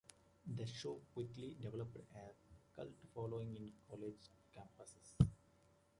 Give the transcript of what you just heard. The show quickly developed a cult following in college campuses.